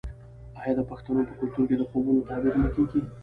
آیا د پښتنو په کلتور کې د خوبونو تعبیر نه کیږي؟